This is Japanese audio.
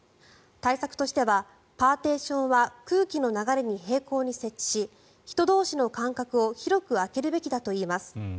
対策としてはパーティションは空気の流れに平行に設置し人同士の間隔を広く空けるべきだといいます。